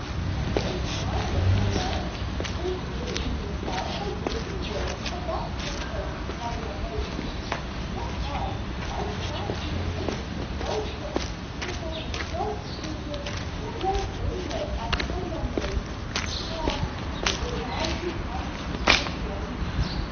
"I don't admire it, my love. Don't you demean yourself by bringing words of that sort home to Carrigrohane." "Not I. I shan't be a minute in the old place before the salt breezes will blow England out of my memory. Ah! it's I who pine to be home again."